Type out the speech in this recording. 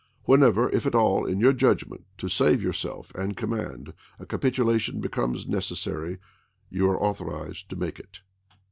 Whenever, if at all, in your judgment, to save yourself Lincoln and Command, a capitulation becomes a necessity, you are ^ Msf^ ' authorized to make it.